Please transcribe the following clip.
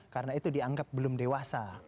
karena itu dianggap belum dewasa